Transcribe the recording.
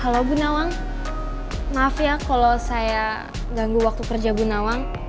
halo bu nawang maaf ya kalau saya ganggu waktu kerja bu nawang